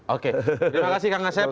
oke terima kasih kang asep